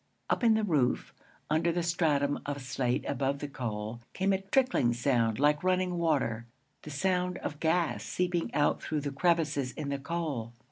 Up in the roof, under the stratum of slate above the coal, came a trickling sound like running water the sound of gas seeping out through the crevices in the coal.